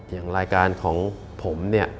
อย่างรายการของผมเนี่ย